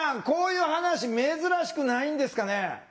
こういう話珍しくないんですかね？